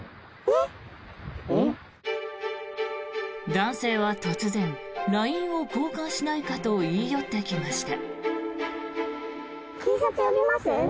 男性は突然ＬＩＮＥを交換しないかと言い寄ってきました。